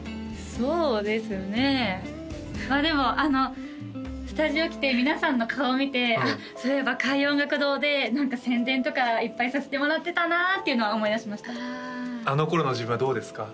そうですねまあでもスタジオ来て皆さんの顔見てそういえば開運音楽堂で何か宣伝とかいっぱいさせてもらってたなっていうのは思い出しましたあの頃の自分はどうですか？